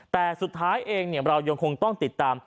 แต่สุดท้ายเองเรายังคงต้องติดตาม